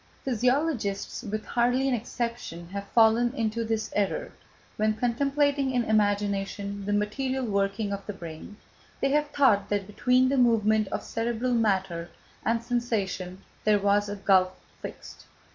Physiologists, with hardly an exception, have fallen into this error; when contemplating in imagination the material working of the brain, they have thought that between the movement of cerebral matter and sensation there was a gulf fixed.